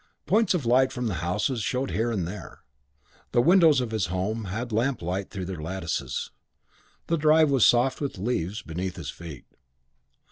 Points of light from the houses showed here and there. The windows of his home had lamplight through their lattices. The drive was soft with leaves beneath his feet.